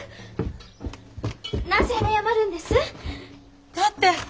なぜ謝るんです？だって。